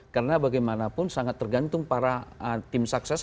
karena bagaimanapun sangat tergantung para tim sukses